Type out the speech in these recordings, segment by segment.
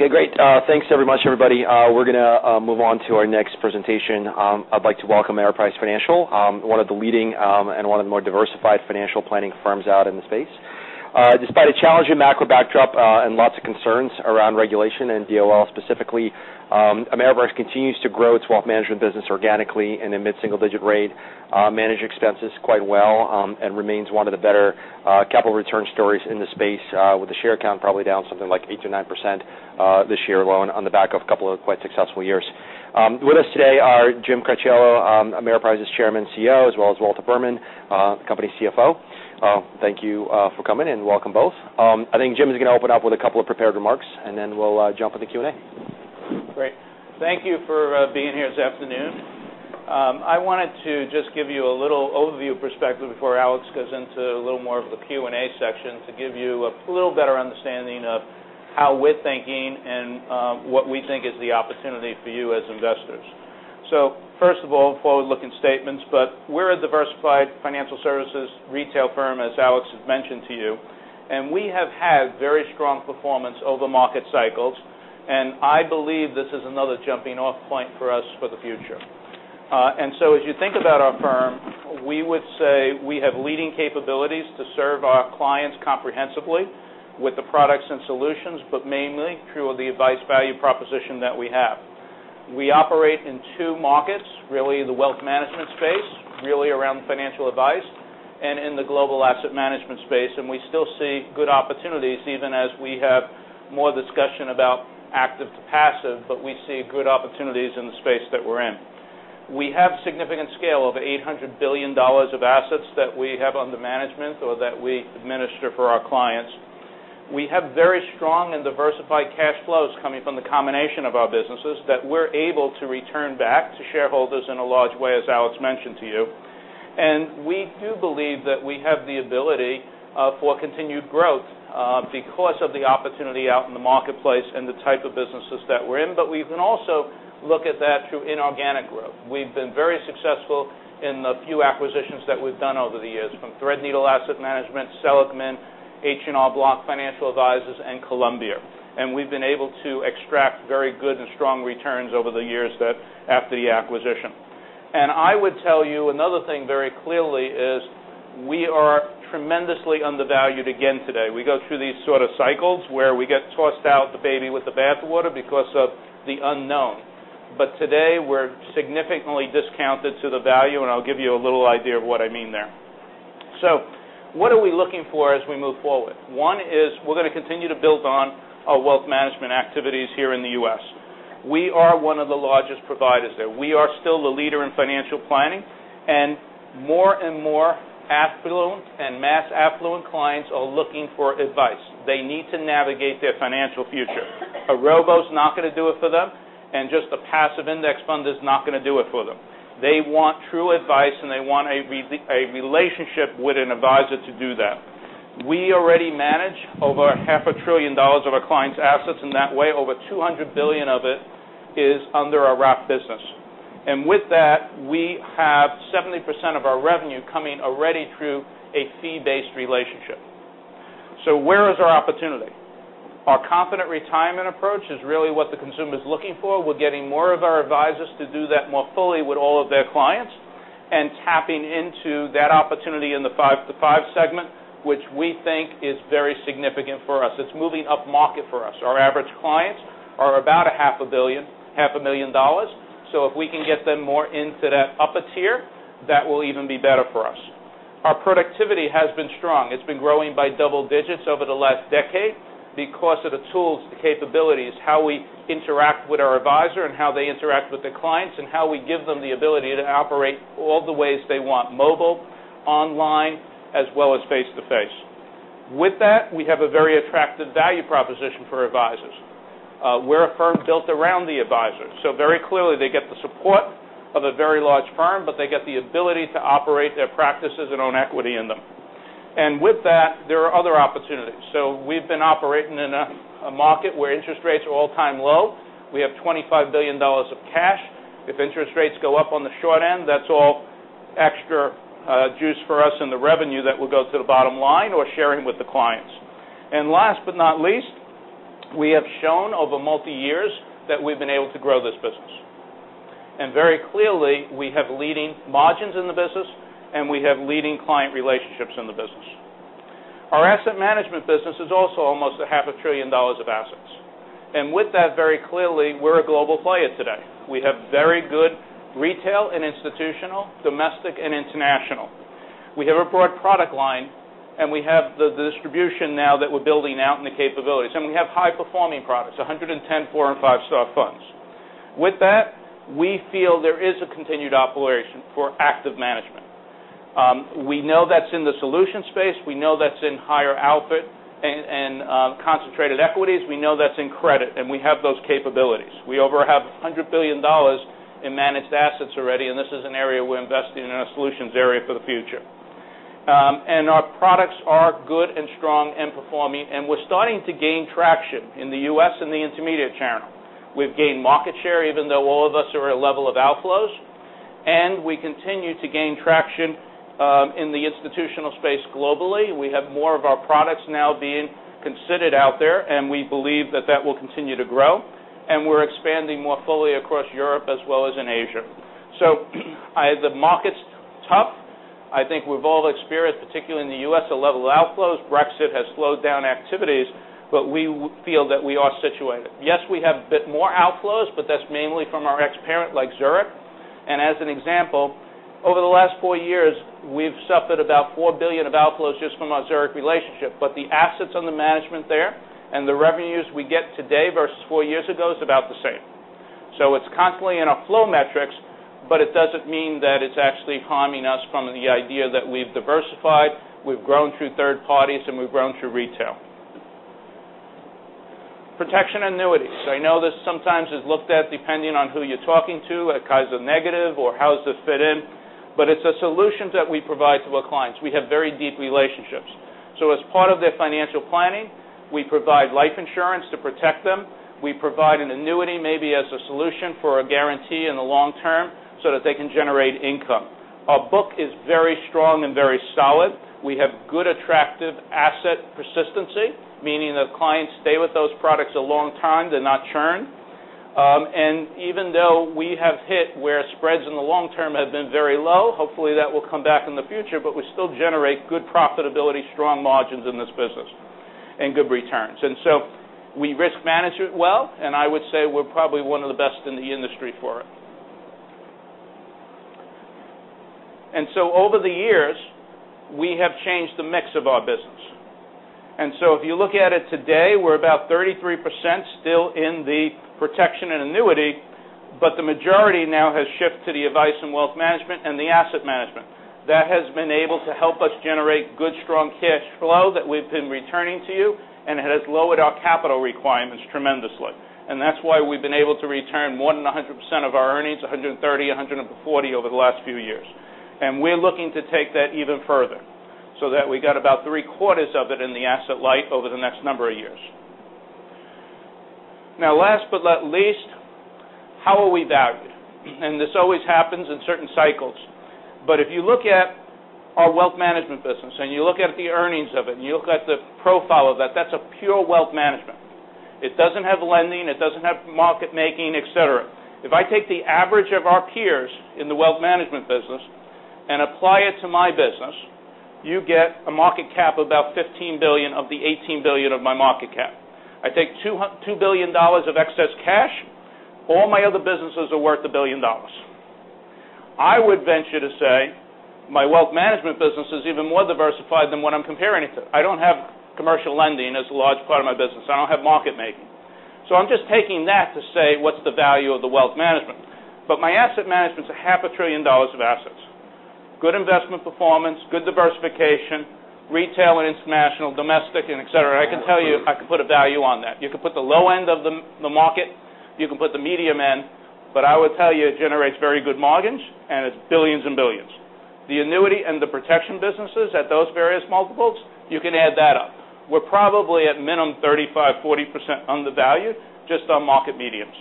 Okay, great. Thanks so much, everybody. We're going to move on to our next presentation. I'd like to welcome Ameriprise Financial, one of the leading and one of the more diversified financial planning firms out in the space. Despite a challenging macro backdrop and lots of concerns around regulation and DOL specifically, Ameriprise continues to grow its wealth management business organically and a mid-single-digit rate, manage expenses quite well, and remains one of the better capital return stories in the space, with the share count probably down something like 8%-9% this year alone on the back of a couple of quite successful years. With us today are Jim Cracchiolo, Ameriprise's Chairman and CEO, as well as Walter Berman, the company's CFO. Thank you for coming, and welcome both. I think Jim is going to open up with a couple of prepared remarks, and then we'll jump into Q&A. Great. Thank you for being here this afternoon. I wanted to just give you a little overview perspective before Alex goes into a little more of the Q&A section to give you a little better understanding of how we're thinking and what we think is the opportunity for you as investors. First of all, forward-looking statements, but we're a diversified financial services retail firm, as Alex has mentioned to you, and we have had very strong performance over market cycles, and I believe this is another jumping-off point for us for the future. As you think about our firm, we would say we have leading capabilities to serve our clients comprehensively with the products and solutions, but mainly through the advice value proposition that we have. We operate in two markets, really, the wealth management space, really around financial advice, and in the global asset management space. We still see good opportunities even as we have more discussion about active to passive, but we see good opportunities in the space that we're in. We have significant scale of $800 billion of assets that we have under management or that we administer for our clients. We have very strong and diversified cash flows coming from the combination of our businesses that we're able to return back to shareholders in a large way, as Alex mentioned to you. We do believe that we have the ability for continued growth because of the opportunity out in the marketplace and the type of businesses that we're in. We can also look at that through inorganic growth. We've been very successful in the few acquisitions that we've done over the years from Threadneedle Asset Management, Seligman, H&R Block Financial Advisors, and Columbia. I would tell you another thing very clearly is we are tremendously undervalued again today. We go through these sort of cycles where we get tossed out the baby with the bathwater because of the unknown. Today, we're significantly discounted to the value, and I'll give you a little idea of what I mean there. What are we looking for as we move forward? One is we're going to continue to build on our wealth management activities here in the U.S. We are one of the largest providers there. We are still the leader in financial planning, and more and more affluent and mass affluent clients are looking for advice. They need to navigate their financial future. A robo's not going to do it for them, and just a passive index fund is not going to do it for them. They want true advice, and they want a relationship with an advisor to do that. We already manage over half a trillion dollars of our clients' assets in that way. Over $200 billion of it is under our wrap business. With that, we have 70% of our revenue coming already through a fee-based relationship. Where is our opportunity? Our Confident Retirement approach is really what the consumer's looking for. We're getting more of our advisors to do that more fully with all of their clients and tapping into that opportunity in the five to five segment, which we think is very significant for us. It's moving upmarket for us. Our average clients are about a half a billion, half a million dollars. If we can get them more into that upper tier, that will even be better for us. Our productivity has been strong. It's been growing by double digits over the last decade because of the tools, the capabilities, how we interact with our advisor and how they interact with the clients, and how we give them the ability to operate all the ways they want, mobile, online, as well as face to face. With that, we have a very attractive value proposition for advisors. We're a firm built around the advisor, very clearly they get the support of a very large firm, but they get the ability to operate their practices and own equity in them. With that, there are other opportunities. We've been operating in a market where interest rates are all-time low. We have $25 billion of cash. If interest rates go up on the short end, that's all extra juice for us in the revenue that will go to the bottom line or sharing with the clients. Last but not least, we have shown over multi years that we've been able to grow this business. Very clearly, we have leading margins in the business, and we have leading client relationships in the business. Our asset management business is also almost a half a trillion dollars of assets. With that, very clearly, we're a global player today. We have very good retail and institutional, domestic and international. We have a broad product line, and we have the distribution now that we're building out in the capabilities. We have high-performing products, 110 four and five-star funds. With that, we feel there is a continued operation for active management. We know that's in the solution space. We know that's in higher outfit and concentrated equities. We know that's in credit, and we have those capabilities. We over have $100 billion in managed assets already, this is an area we're investing in our solutions area for the future. Our products are good and strong and performing, and we're starting to gain traction in the U.S. and the intermediate channel. We've gained market share even though all of us are at a level of outflows. We continue to gain traction in the institutional space globally. We have more of our products now being considered out there, and we believe that that will continue to grow. We're expanding more fully across Europe as well as in Asia. The market's tough. I think we've all experienced, particularly in the U.S., a level of outflows. Brexit has slowed down activities, we feel that we are situated. Yes, we have a bit more outflows, that's mainly from our ex-parent, like Zurich. As an example, over the last 4 years, we've suffered about $4 billion of outflows just from our Zurich relationship. The assets under management there and the revenues we get today versus 4 years ago is about the same. It's constantly in our flow metrics, it doesn't mean that it's actually harming us from the idea that we've diversified, we've grown through third parties, and we've grown through retail. Protection annuity. I know this sometimes is looked at, depending on who you're talking to, as kind of a negative or how does this fit in? It's a solution that we provide to our clients. We have very deep relationships. As part of their financial planning, we provide life insurance to protect them. We provide an annuity, maybe as a solution for a guarantee in the long term so that they can generate income. Our book is very strong and very solid. We have good, attractive asset persistency, meaning that clients stay with those products a long time. They're not churn. Even though we have hit where spreads in the long term have been very low, hopefully that will come back in the future. We still generate good profitability, strong margins in this business, and good returns. We risk manage it well, I would say we're probably one of the best in the industry for it. Over the years, we have changed the mix of our business. If you look at it today, we're about 33% still in the protection and annuity, the majority now has shifted to the advice and wealth management and the asset management. That has been able to help us generate good, strong cash flow that we've been returning to you and has lowered our capital requirements tremendously. That's why we've been able to return more than 100% of our earnings, 130%, 140% over the last few years. We're looking to take that even further so that we got about three-quarters of it in the asset light over the next number of years. Last but not least, how are we valued? This always happens in certain cycles. If you look at our wealth management business and you look at the earnings of it, and you look at the profile of that's a pure wealth management. It doesn't have lending. It doesn't have market-making, et cetera. If I take the average of our peers in the wealth management business and apply it to my business, you get a market cap of about $15 billion of the $18 billion of my market cap. I take $2 billion of excess cash, all my other businesses are worth $1 billion. I would venture to say my wealth management business is even more diversified than what I'm comparing it to. I don't have commercial lending as a large part of my business. I don't have market-making. I'm just taking that to say what's the value of the wealth management. My asset management's a half a trillion dollars of assets. Good investment performance, good diversification, retail and international, domestic, and et cetera. I can tell you, I can put a value on that. You can put the low end of the market, you can put the medium end, but I would tell you it generates very good margins and it's billions and billions. The annuity and the protection businesses at those various multiples, you can add that up. We're probably at minimum 35%-40% undervalued just on market medians.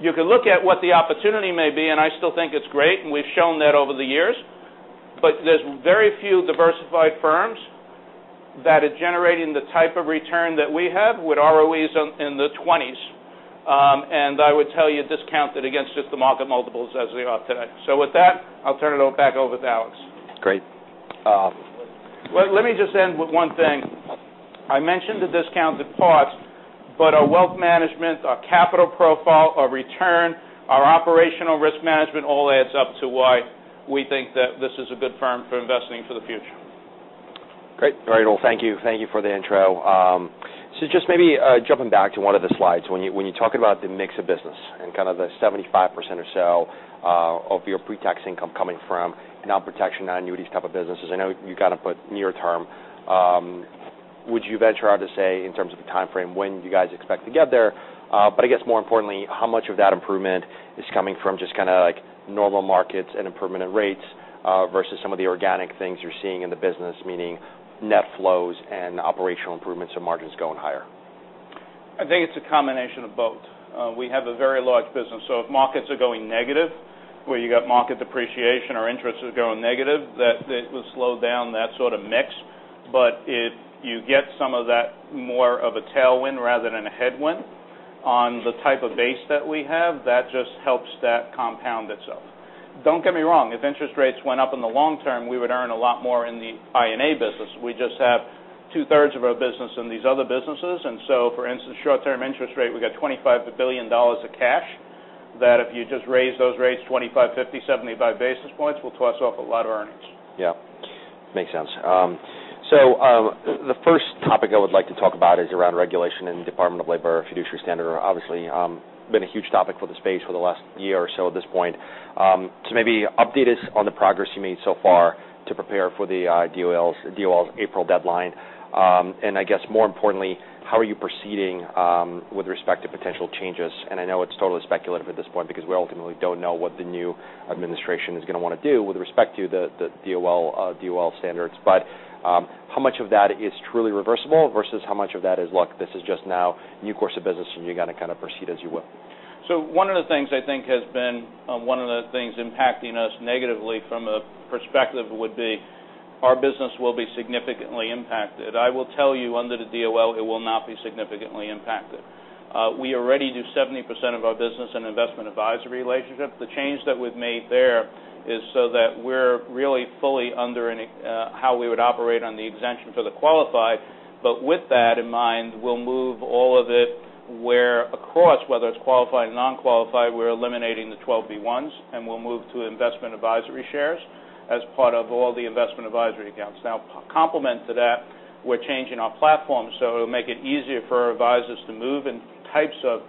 You can look at what the opportunity may be, and I still think it's great, and we've shown that over the years, but there's very few diversified firms that are generating the type of return that we have with ROEs in the 20s. I would tell you discount that against just the market multiples as we are today. With that, I'll turn it back over to Alex. Great. Let me just end with one thing. I mentioned the discounted cost, but our wealth management, our capital profile, our return, our operational risk management all adds up to why we think that this is a good firm for investing for the future. Great. All right, well, thank you. Thank you for the intro. Just maybe jumping back to one of the slides, when you talk about the mix of business and kind of the 75% or so of your pre-tax income coming from non-protection, non-annuities type of businesses, I know you kind of put near term. Would you venture out to say, in terms of the timeframe, when you guys expect to get there? I guess more importantly, how much of that improvement is coming from just kind of like normal markets and improvement in rates versus some of the organic things you're seeing in the business, meaning net flows and operational improvements or margins going higher? I think it's a combination of both. We have a very large business, so if markets are going negative, where you got market depreciation or interest is going negative, that will slow down that sort of mix. If you get some of that more of a tailwind rather than a headwind on the type of base that we have, that just helps that compound itself. Don't get me wrong. If interest rates went up in the long term, we would earn a lot more in the I&A business. We just have two-thirds of our business in these other businesses. For instance, short-term interest rate, we've got $25 billion of cash that if you just raise those rates 25, 50, 75 basis points will toss off a lot of earnings. Yeah. Makes sense. The first topic I would like to talk about is around regulation and Department of Labor fiduciary standard, obviously been a huge topic for the space for the last year or so at this point. Maybe update us on the progress you made so far to prepare for the DOL's April deadline. I guess more importantly, how are you proceeding with respect to potential changes? I know it's totally speculative at this point because we ultimately don't know what the new administration is going to want to do with respect to the DOL standards. How much of that is truly reversible versus how much of that is locked? This is just now new course of business and you're going to kind of proceed as you will. One of the things I think has been one of the things impacting us negatively from a perspective would be Our business will be significantly impacted. I will tell you under the DOL, it will not be significantly impacted. We already do 70% of our business in investment advisory relationship. The change that we've made there is so that we're really fully under how we would operate on the exemption for the qualified. With that in mind, we'll move all of it where across, whether it's qualified, non-qualified, we're eliminating the 12b-1s, and we'll move to investment advisory shares as part of all the investment advisory accounts. Complement to that, we're changing our platform, so it'll make it easier for our advisors to move in types of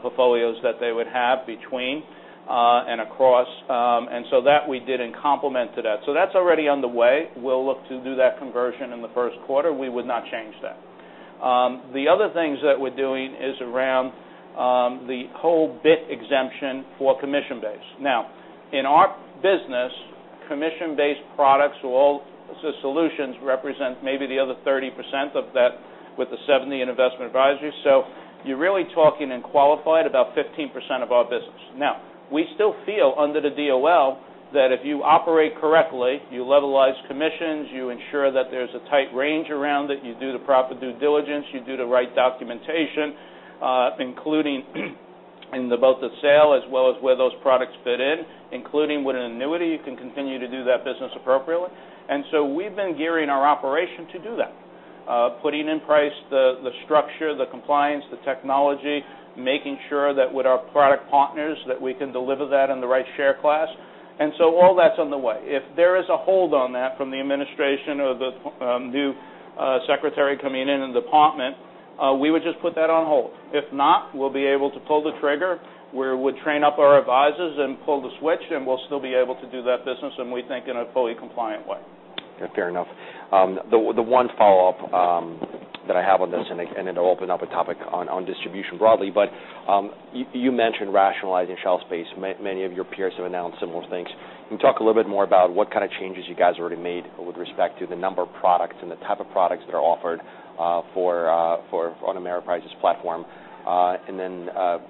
portfolios that they would have between and across. That we did in complement to that. That's already on the way. We'll look to do that conversion in the first quarter. We would not change that. The other things that we're doing is around the whole BIC exemption for commission-based. In our business, commission-based products or solutions represent maybe the other 30% of that with the 70 in investment advisory. You're really talking and qualified about 15% of our business. We still feel under the DOL that if you operate correctly, you levelize commissions, you ensure that there's a tight range around it, you do the proper due diligence, you do the right documentation, including in the both the sale as well as where those products fit in, including with an annuity, you can continue to do that business appropriately. We've been gearing our operation to do that. Putting in price the structure, the compliance, the technology, making sure that with our product partners, that we can deliver that in the right share class. All that's on the way. If there is a hold on that from the administration or the new secretary coming in in the Department, we would just put that on hold. If not, we'll be able to pull the trigger, where we train up our advisors and pull the switch, and we'll still be able to do that business, and we think in a fully compliant way. Yeah, fair enough. The one follow-up that I have on this, and it'll open up a topic on distribution broadly, but you mentioned rationalizing shelf space. Many of your peers have announced similar things. Can you talk a little bit more about what kind of changes you guys already made with respect to the number of products and the type of products that are offered on Ameriprise's platform?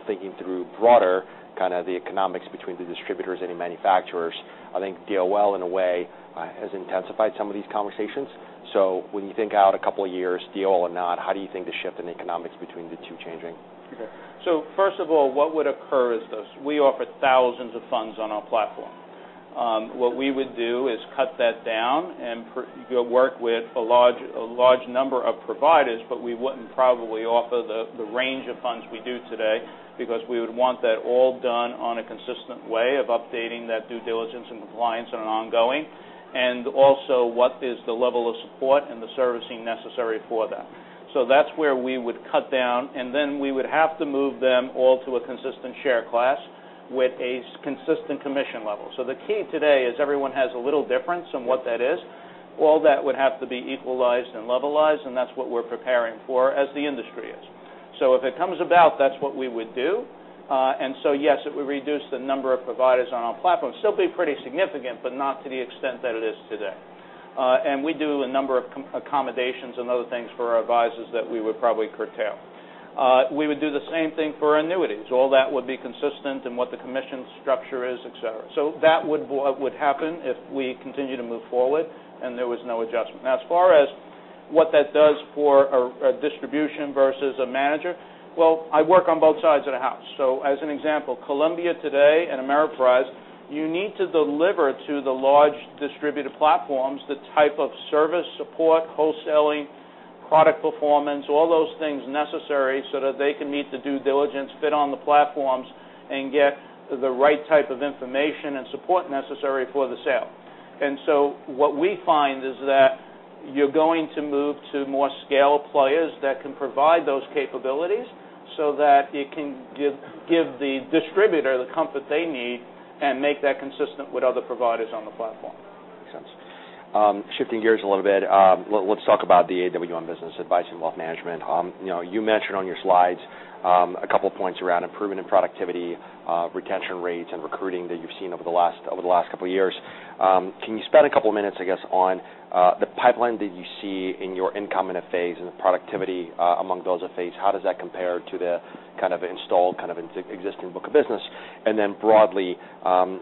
Thinking through broader kind of the economics between the distributors and the manufacturers, I think DOL in a way has intensified some of these conversations. When you think out a couple of years, DOL or not, how do you think the shift in economics between the two changing? Okay. First of all, what would occur is this. We offer thousands of funds on our platform. What we would do is cut that down and work with a large number of providers, but we wouldn't probably offer the range of funds we do today because we would want that all done on a consistent way of updating that due diligence and compliance on an ongoing, and also what is the level of support and the servicing necessary for that. That's where we would cut down. We would have to move them all to a consistent share class with a consistent commission level. The key today is everyone has a little difference on what that is. All that would have to be equalized and levelized, and that's what we're preparing for as the industry is. If it comes about, that's what we would do. Yes, it would reduce the number of providers on our platform. Still be pretty significant, but not to the extent that it is today. We do a number of accommodations and other things for our advisors that we would probably curtail. We would do the same thing for annuities. All that would be consistent in what the commission structure is, et cetera. That would happen if we continue to move forward and there was no adjustment. Now, as far as what that does for a distribution versus a manager, well, I work on both sides of the house. As an example, Columbia today and Ameriprise, you need to deliver to the large distributor platforms the type of service support, wholesaling, product performance, all those things necessary so that they can meet the due diligence, fit on the platforms, and get the right type of information and support necessary for the sale. What we find is that you're going to move to more scale players that can provide those capabilities so that it can give the distributor the comfort they need and make that consistent with other providers on the platform. Makes sense. Shifting gears a little bit, let's talk about the AWM business, Advice and Wealth Management. You mentioned on your slides a couple of points around improvement in productivity, retention rates, and recruiting that you've seen over the last couple of years. Can you spend a couple of minutes, I guess, on the pipeline that you see in your incoming FAs and the productivity among those FAs? How does that compare to the kind of installed, kind of existing book of business? Broadly,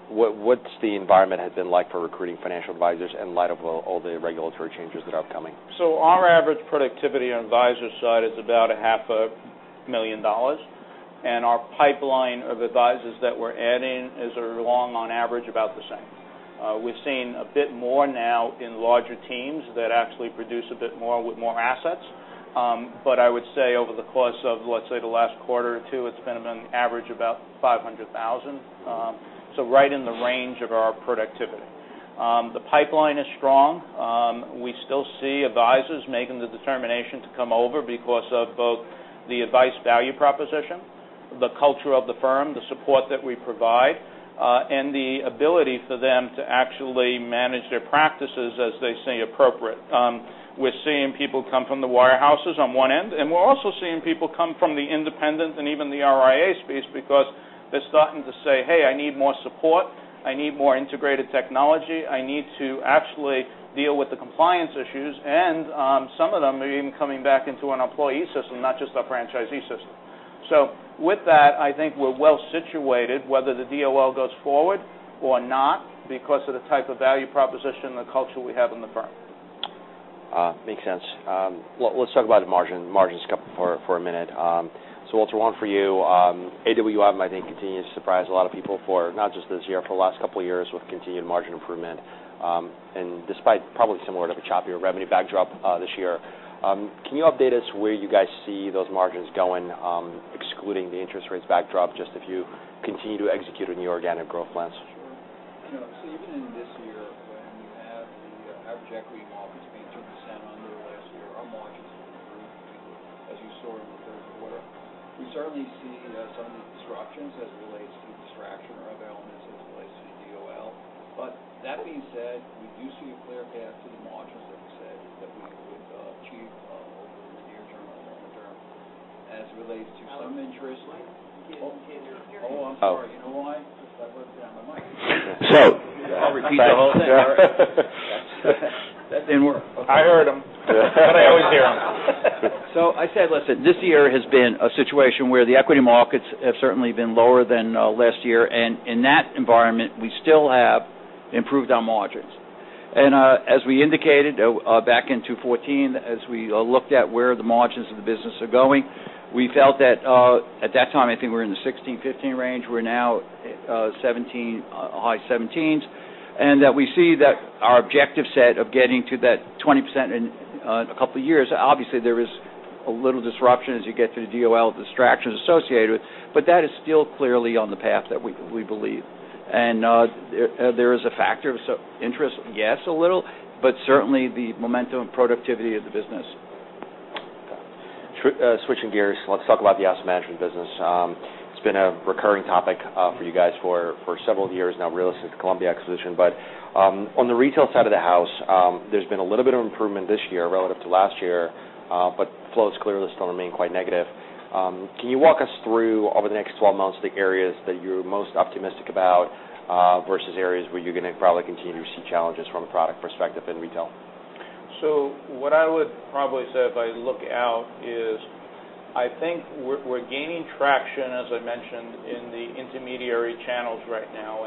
what's the environment has been like for recruiting financial advisors in light of all the regulatory changes that are upcoming? Our average productivity on advisor side is about a half a million dollars, and our pipeline of advisors that we're adding is along on average about the same. We've seen a bit more now in larger teams that actually produce a bit more with more assets. I would say over the course of, let's say, the last quarter or two, it's been an average about $500,000. Right in the range of our productivity. The pipeline is strong. We still see advisors making the determination to come over because of both the advice value proposition, the culture of the firm, the support that we provide, the ability for them to actually manage their practices as they see appropriate. We're seeing people come from the wirehouses on one end, we're also seeing people come from the independent and even the RIA space because they're starting to say, "Hey, I need more support. I need more integrated technology. I need to actually deal with the compliance issues." Some of them are even coming back into an employee system, not just a franchisee system. With that, I think we're well-situated whether the DOL goes forward or not because of the type of value proposition and the culture we have in the firm. Makes sense. Well, let's talk about margins for a minute. Walter, one for you. AWM, I think, continues to surprise a lot of people for not just this year, for the last couple of years with continued margin improvement. Despite probably similar to a choppier revenue backdrop this year. Can you update us where you guys see those margins going, excluding the interest rates backdrop, just if you continue to execute on the organic growth plans? Sure. Even in this year when we have the average equity markets being 2% under last year, our margins have improved, as you saw in the third quarter. We certainly see some disruptions as it relates to distraction or other elements as it relates to the DOL. That being said, we do see a clear path to the margins that we said that we could achieve over the near term or long term as it relates to some interest- Walter, mic again. Oh, I'm sorry. You know why? I looked down at the mic. I'll repeat the whole thing. All right. That didn't work. I heard him. I always hear him. I said, listen, this year has been a situation where the equity markets have certainly been lower than last year. In that environment, we still have improved our margins. As we indicated back in 2014, as we looked at where the margins of the business are going, we felt that at that time, I think we were in the 16%, 15% range. We're now 17%, high 17s. That we see that our objective set of getting to that 20% in a couple of years, obviously, there is a little disruption as you get through the DOL distractions associated with it, but that is still clearly on the path that we believe. There is a factor of interest, yes, a little, but certainly the momentum and productivity of the business. Got it. Switching gears, let's talk about the asset management business. It's been a recurring topic for you guys for several years now, related to the Columbia acquisition. On the retail side of the house, there's been a little bit of improvement this year relative to last year, but flows clearly still remain quite negative. Can you walk us through over the next 12 months, the areas that you're most optimistic about versus areas where you're going to probably continue to see challenges from a product perspective in retail? What I would probably say if I look out is I think we're gaining traction, as I mentioned, in the intermediary channels right now.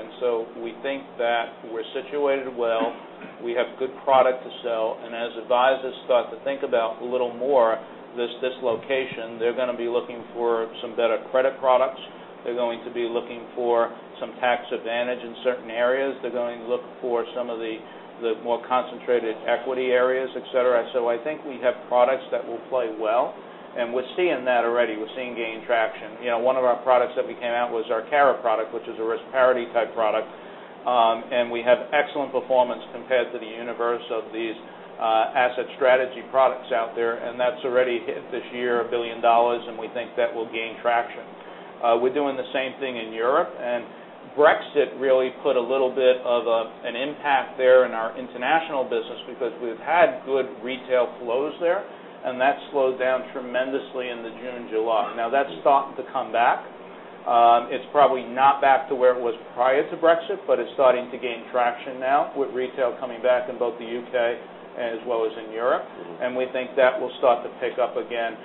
We think that we're situated well. We have good product to sell. As advisors start to think about a little more this dislocation, they're going to be looking for some better credit products. They're going to be looking for some tax advantage in certain areas. They're going to look for some of the more concentrated equity areas, et cetera. I think we have products that will play well, and we're seeing that already. We're seeing gained traction. One of our products that we came out was our CARA product, which is a risk parity type product. We have excellent performance compared to the universe of these asset strategy products out there. That's already hit this year, $1 billion, and we think that will gain traction. We're doing the same thing in Europe. Brexit really put a little bit of an impact there in our international business because we've had good retail flows there, and that slowed down tremendously in the June, July. Now that's starting to come back. It's probably not back to where it was prior to Brexit, but it's starting to gain traction now with retail coming back in both the U.K. as well as in Europe. We think that will start to pick up again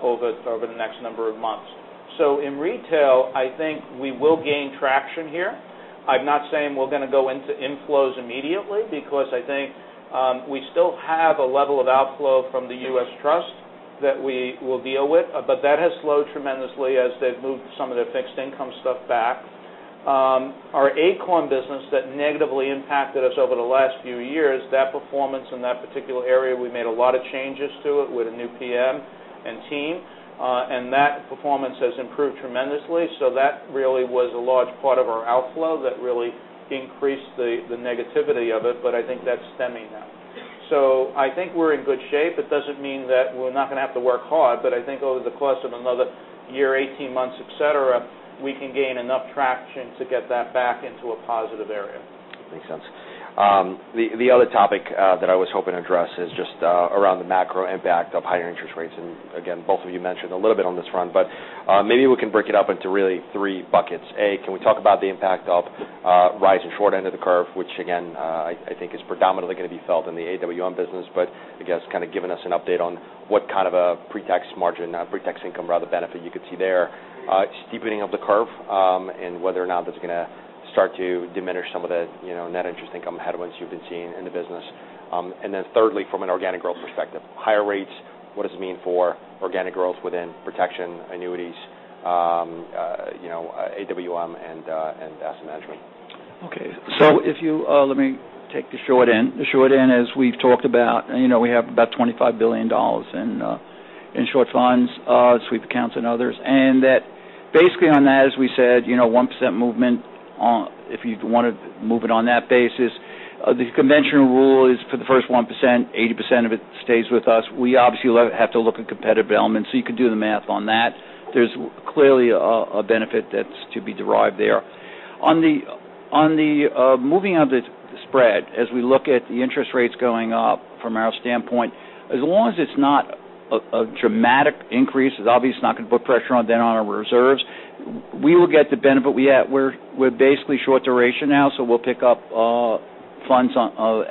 over the next number of months. In retail, I think we will gain traction here. I'm not saying we're going to go into inflows immediately because I think we still have a level of outflow from the U.S. Trust that we will deal with. That has slowed tremendously as they've moved some of their fixed income stuff back. Our Acorn business that negatively impacted us over the last few years, that performance in that particular area, we made a lot of changes to it with a new PM and team. That performance has improved tremendously. That really was a large part of our outflow that really increased the negativity of it. I think that's stemming now. I think we're in good shape. It doesn't mean that we're not going to have to work hard, I think over the course of another year, 18 months, et cetera, we can gain enough traction to get that back into a positive area. Makes sense. The other topic that I was hoping to address is just around the macro impact of higher interest rates. Again, both of you mentioned a little bit on this front, but maybe we can break it up into really three buckets. A, can we talk about the impact of rising short end of the curve, which again, I think is predominantly going to be felt in the AWM business, but I guess kind of giving us an update on what kind of a pre-tax margin, pre-tax income rather benefit you could see there. Steepening of the curve, and whether or not that's going to start to diminish some of the net interest income headwinds you've been seeing in the business. Thirdly, from an organic growth perspective, higher rates, what does it mean for organic growth within protection annuities, AWM, and asset management? Okay. Let me take the short end. The short end, as we've talked about, we have about $25 billion in short funds, sweep accounts, and others. That basically on that, as we said, 1% movement, if you want to move it on that basis, the conventional rule is for the first 1%, 80% of it stays with us. We obviously have to look at competitive elements, you can do the math on that. There's clearly a benefit that's to be derived there. On the moving of the spread, as we look at the interest rates going up from our standpoint, as long as it's not a dramatic increase, it's obviously not going to put pressure on our reserves. We will get the benefit. We're basically short duration now, we'll pick up funds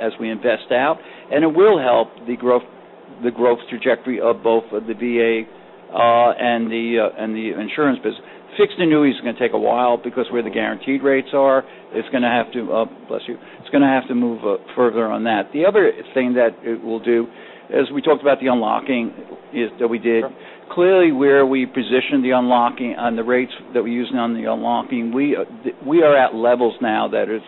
as we invest out. It will help the growth trajectory of both the VA and the insurance business. Fixed annuities are going to take a while because where the guaranteed rates are, it's going to have to. Bless you. It's going to have to move further on that. The other thing that it will do, as we talked about the unlocking that we did. Sure Clearly, where we positioned the unlocking on the rates that we're using on the unlocking, we are at levels now that is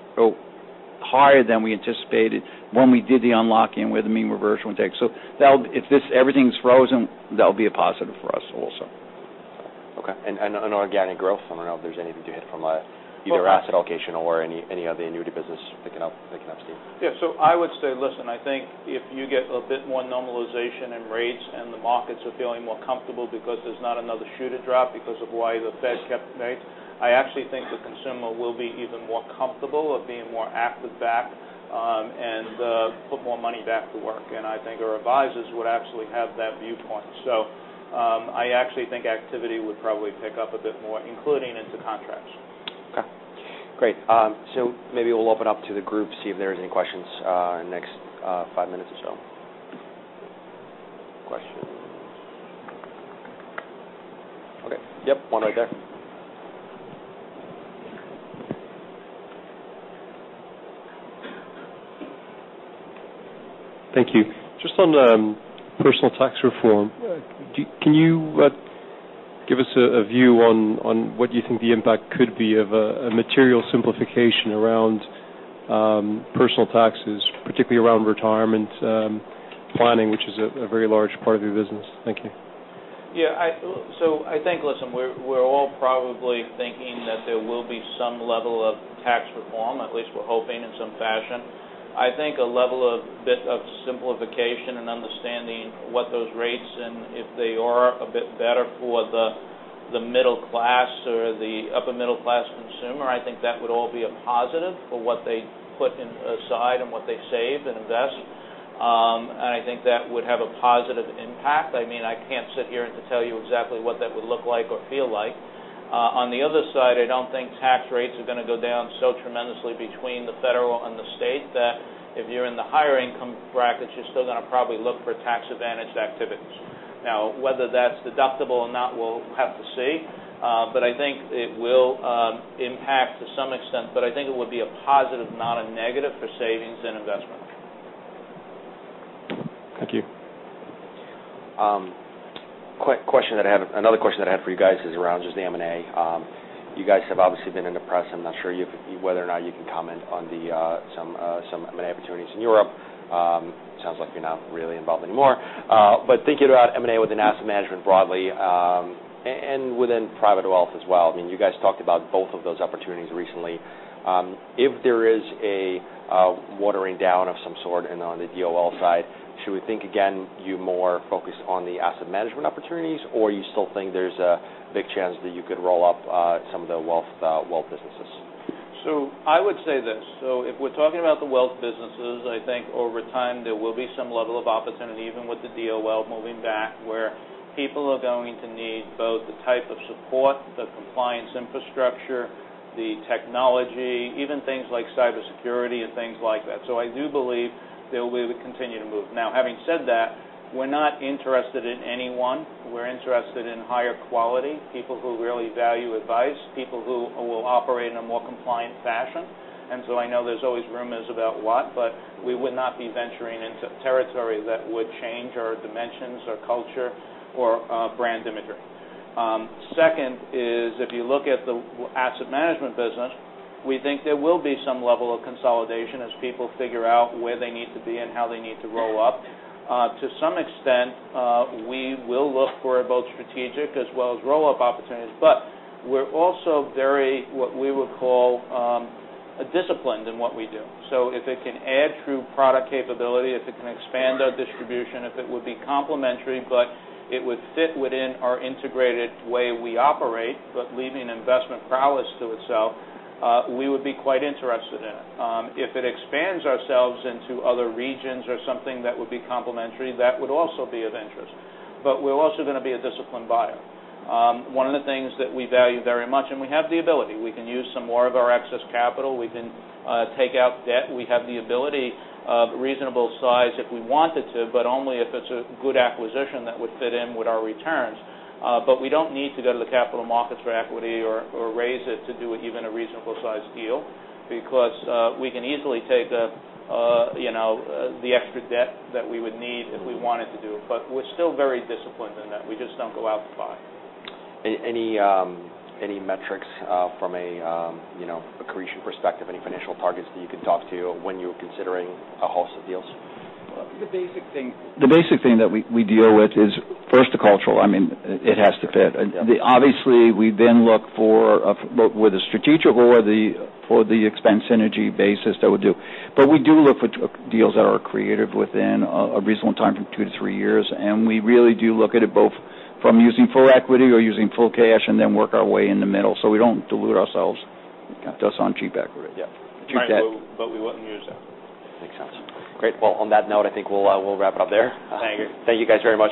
higher than we anticipated when we did the unlocking where the mean reversion will take. If everything's frozen, that'll be a positive for us also. Okay. On organic growth, I don't know if there's anything to hit from either asset allocation or any other annuity business picking up steam. Yeah. I would say, listen, I think if you get a bit more normalization in rates and the markets are feeling more comfortable because there's not another shoe to drop because of why the Fed kept rates, I actually think the consumer will be even more comfortable of being more active back, and put more money back to work. I think our advisors would actually have that viewpoint. I actually think activity would probably pick up a bit more, including into contracts. Okay. Great. Maybe we'll open up to the group, see if there's any questions in the next five minutes or so. Questions? Okay. Yep, one right there. Thank you. Just on personal tax reform. Yeah Can you give us a view on what you think the impact could be of a material simplification around personal taxes, particularly around retirement planning, which is a very large part of your business? Thank you. Yeah. I think, listen, we're all probably thinking that there will be some level of tax reform, at least we're hoping in some fashion. I think a level of bit of simplification and understanding what those rates and if they are a bit better for the middle class or the upper middle class consumer, I think that would all be a positive for what they put aside and what they save and invest. I think that would have a positive impact. I can't sit here and tell you exactly what that would look like or feel like. On the other side, I don't think tax rates are going to go down so tremendously between the federal and the state that if you're in the higher income brackets, you're still going to probably look for tax advantage activities. Now, whether that's deductible or not, we'll have to see. I think it will impact to some extent, but I think it would be a positive, not a negative for savings and investment. Thank you. Another question that I have for you guys is around just the M&A. You guys have obviously been in the press. I'm not sure whether or not you can comment on some M&A opportunities in Europe. It sounds like you're not really involved anymore. Thinking about M&A within asset management broadly, and within private wealth as well. You guys talked about both of those opportunities recently. If there is a watering down of some sort on the DOL side, should we think again you more focused on the asset management opportunities, or you still think there's a big chance that you could roll up some of the wealth businesses? I would say this, so if we're talking about the wealth businesses, I think over time there will be some level of opportunity, even with the DOL moving back, where people are going to need both the type of support, the compliance infrastructure, the technology, even things like cybersecurity and things like that. I do believe there will be the continue to move. Having said that, we're not interested in anyone. We're interested in higher quality, people who really value advice, people who will operate in a more compliant fashion. I know there's always rumors about what, but we would not be venturing into territory that would change our dimensions, our culture, or brand imagery. Second is, if you look at the asset management business, we think there will be some level of consolidation as people figure out where they need to be and how they need to grow up. To some extent, we will look for both strategic as well as roll-up opportunities, but we're also very, what we would call, disciplined in what we do. If it can add true product capability, if it can expand our distribution, if it would be complementary, but it would fit within our integrated way we operate, but leaving investment prowess to itself, we would be quite interested in it. If it expands ourselves into other regions or something that would be complementary, that would also be of interest. We're also going to be a disciplined buyer. One of the things that we value very much, we have the ability, we can use some more of our excess capital. We can take out debt. We have the ability of reasonable size if we wanted to, but only if it's a good acquisition that would fit in with our returns. We don't need to go to the capital markets for equity or raise it to do even a reasonable size deal because we can easily take the extra debt that we would need if we wanted to do it. We're still very disciplined in that we just don't go out and buy. Any metrics from accretion perspective, any financial targets that you can talk to when you're considering a host of deals? The basic thing that we deal with is first the cultural. It has to fit. Yeah. Obviously, we then look for whether strategic or for the expense synergy basis that would do. We do look for deals that are accretive within a reasonable time for two to three years, we really do look at it both from using full equity or using full cash and then work our way in the middle. We don't dilute ourselves. It does sound cheap accurate. Yeah. Cheap debt. We wouldn't use that. Makes sense. Great. Well, on that note, I think we'll wrap it up there. Thank you. Thank you guys very much.